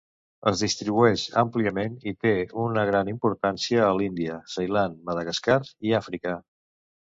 Es distribueix àmpliament i té una gran importància a l'Índia, Ceilan, Madagascar i Àfrica.